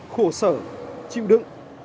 khổ sở chịu đựng